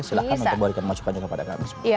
silahkan untuk memberikan masukan kepada kami